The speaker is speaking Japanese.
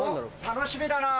楽しみだなぁ。